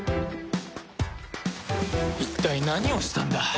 一体何をしたんだ？